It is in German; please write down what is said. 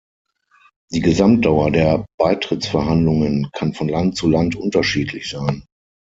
Die Gesamtdauer der Beitrittsverhandlungen kann von Land zu Land unterschiedlich sein.